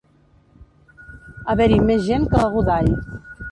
Haver-hi més gent que a Godall.